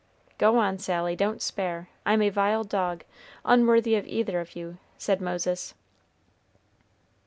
"Go on, Sally, don't spare; I'm a vile dog, unworthy of either of you," said Moses.